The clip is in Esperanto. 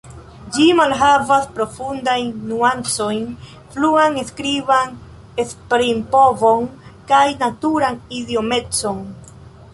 Ĝi malhavas profundajn nuancojn, fluan skriban esprimpovon kaj naturan idiomecon.